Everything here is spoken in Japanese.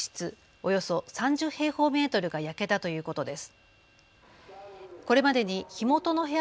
およそ３０平方メートルが焼けたということです。